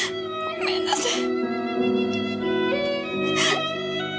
ごめんなさい。